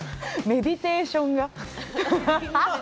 メディテーションが。